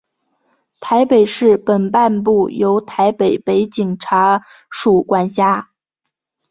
台北市北半部由台北北警察署管辖。